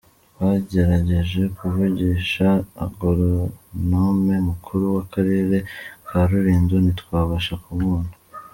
Twagerageje kuvugisha Agoronome mukuru w’Akarere ka Rulindo ntitwabasha kumubona.